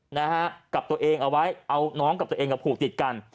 นะฮะกับตัวเองเอาไว้เอาน้องกับตัวเองกับผูกติดกัน